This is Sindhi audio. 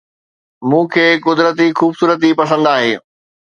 مون کي قدرتي خوبصورتي پسند آهي